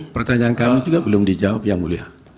pertanyaan kami juga belum dijawab yang mulia